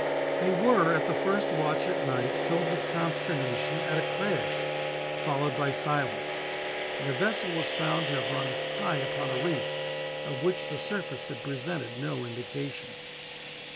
They were, at the first watch at night, filled with consternation at a crash, followed by silence; and the vessel was found to have run high upon a reef, of which the surface had presented no indication.